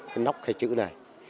cái nóc khe chữ đây